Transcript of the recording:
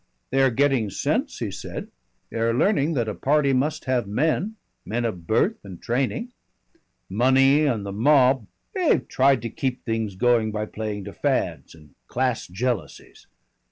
"They are getting sense," he said. "They are learning that a party must have men, men of birth and training. Money and the mob they've tried to keep things going by playing to fads and class jealousies.